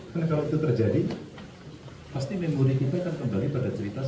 karena kalau itu terjadi pasti memori kita akan kembali pada cerita seribu sembilan ratus sembilan puluh delapan